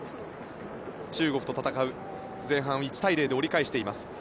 中国と戦う前半を１対０で折り返しています。